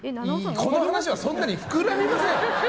この話はそんなに膨らみません！